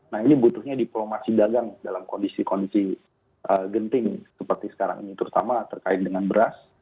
nah ini butuhnya diplomasi dagang dalam kondisi kondisi genting seperti sekarang ini terutama terkait dengan beras